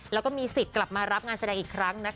แล้วก็มีสิทธิ์กลับมารับงานแสดงอีกครั้งนะคะ